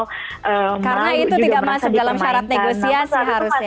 karena itu tidak masuk dalam syarat negosiasi harusnya